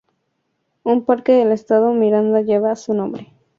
Un parque del Estado Miranda lleva su nombre.